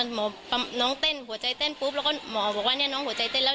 หมอน้องเต้นหัวใจเต้นปุ๊บแล้วก็หมอบอกว่าเนี่ยน้องหัวใจเต้นแล้ว